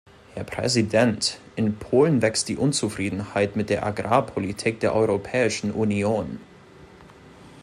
Herr Präsident! In Polen wächst die Unzufriedenheit mit der Agrarpolitik der Europäischen Union.